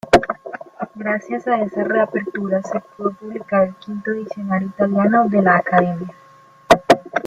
Gracias a esa reapertura se pudo publicar el quinto diccionario italiano de la Accademia.